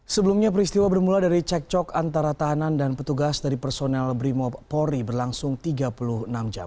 sebelumnya peristiwa bermula dari cek cok antara tahanan dan petugas dari personel brimo polri berlangsung tiga puluh enam jam